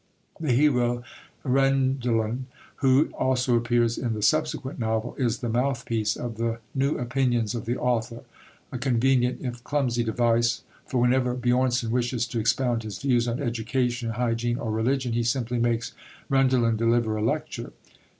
The hero, Rendalen, who also appears in the subsequent novel, is the mouthpiece of the new opinions of the author; a convenient if clumsy device, for whenever Björnson wishes to expound his views on education, hygiene, or religion, he simply makes Rendalen deliver a lecture.